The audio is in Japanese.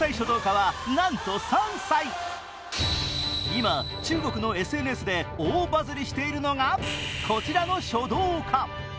今、中国のＳＮＳで大バズりしているのが、こちらの書道家。